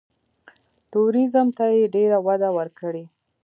ټوریزم ته یې ډېره وده ورکړې.